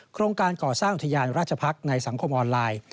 โครงการก่อสร้างอุทยานราชพักษ์ในสังคมออนไลน์